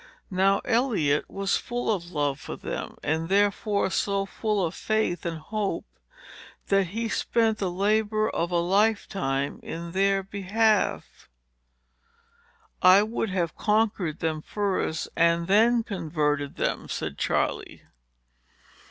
Now Eliot was full of love for them, and therefore so full of faith and hope, that he spent the labor of a lifetime in their behalf." "I would have conquered them first, and then converted them," said Charley.